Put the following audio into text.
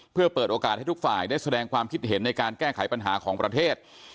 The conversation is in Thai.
เพื่อเปิดโอกาสให้ทุกฝ่ายได้แสดงความคิดเห็นในการแก้ไขปัญหาของประเทศ